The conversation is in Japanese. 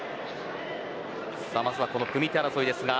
まずは組み手争いです。